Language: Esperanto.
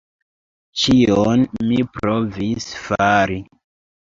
Ĉion mi provis fari!